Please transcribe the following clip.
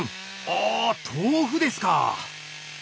あ豆腐ですか！